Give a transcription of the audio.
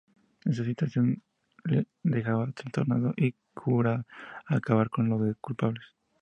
Esta situación le deja trastornado y jura acabar con los culpables.